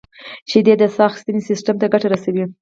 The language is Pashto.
• شیدې د ساه اخیستنې سیستم ته ګټه رسوي.